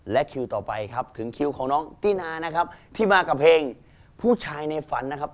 และคิวต่อไปครับถึงคิวของน้องตินานะครับที่มากับเพลงผู้ชายในฝันนะครับ